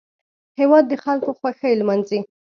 هېواد د خلکو خوښۍ لمانځي